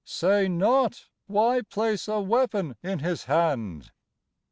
Say not, "Why place a weapon in his hand?"